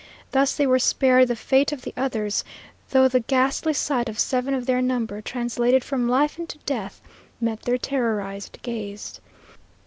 Thus they were spared the fate of the others, though the ghastly sight of seven of their number, translated from life into death, met their terrorized gaze.